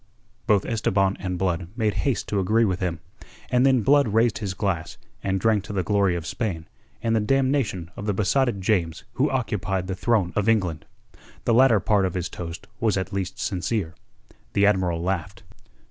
Both Esteban and Blood made haste to agree with him, and then Blood raised his glass, and drank to the glory of Spain and the damnation of the besotted James who occupied the throne of England. The latter part of his toast was at least sincere. The Admiral laughed.